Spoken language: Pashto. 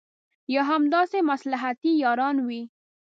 یا همداسې مصلحتي یاران وي.